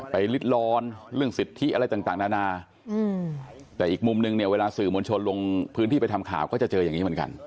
ลิดร้อนเรื่องสิทธิอะไรต่างนานาแต่อีกมุมนึงเนี่ยเวลาสื่อมวลชนลงพื้นที่ไปทำข่าวก็จะเจออย่างนี้เหมือนกัน